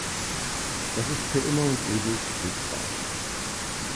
Das ist für immer und ewig sichtbar.